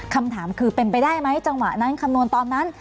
คำถามคือเป็นไปได้ไหมจังหวะนั้นคำนวณตอนนั้น